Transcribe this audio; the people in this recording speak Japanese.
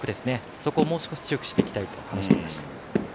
そこをもう少し強くしていきたいと話していました。